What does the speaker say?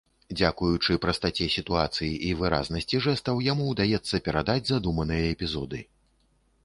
Дзякуючы прастаце сітуацый і выразнасці жэстаў яму ўдаецца перадаць задуманыя эпізоды.